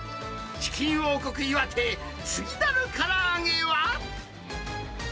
チキン王国、岩手、次なるから揚げは。